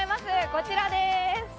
こちらです。